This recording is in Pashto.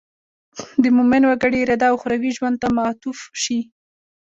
د مومن وګړي اراده اخروي ژوند ته معطوف شي.